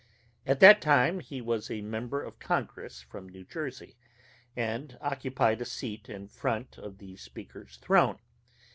At that time he was a member of Congress from New Jersey, and occupied a seat in front of the Speaker's throne.